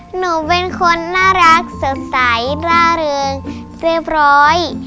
หนูเป็นคนน่ารักสดใสร่าเริงเรียบร้อย